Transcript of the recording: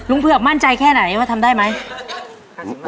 เผือกมั่นใจแค่ไหนว่าทำได้ไหม